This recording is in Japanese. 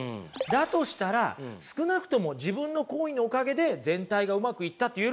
だとしたら少なくとも自分の行為のおかげで全体がうまくいったって言えるじゃないですか。